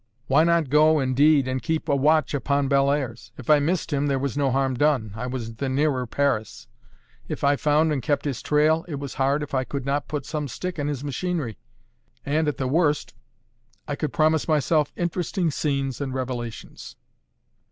Why not go indeed, and keep a watch upon Bellairs? If I missed him, there was no harm done, I was the nearer Paris. If I found and kept his trail, it was hard if I could not put some stick in his machinery, and at the worst I could promise myself interesting scenes and revelations.